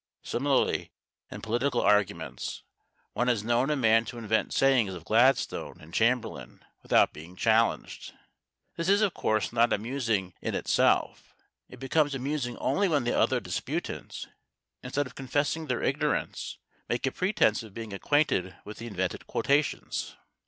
Similarly, in political arguments, one has known a man to invent sayings of Gladstone and Chamberlain without being challenged. This is, of course, not amusing in itself. It becomes amusing only when the other disputants, instead of confessing their ignorance, make a pretence of being acquainted with the invented quotations.